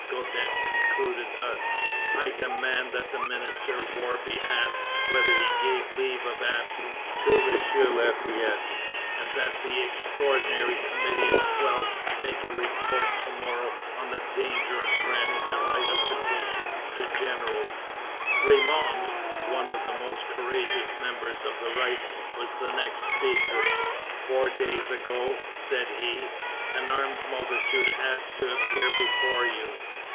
Guadet concluded thus: "I demand that the Minister of War be asked whether he gave leave of absence to M. Lafayette, and that the extraordinary Committee of Twelve make a report to morrow on the danger of granting the right of petition to generals." Ramond, one of the most courageous members of the right, was the next speaker: "Four days ago," said he, "an armed multitude asked to appear before you.